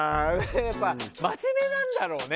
やっぱ真面目なんだろうね。